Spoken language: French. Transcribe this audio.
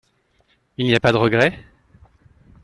Il n’y a pas de regret?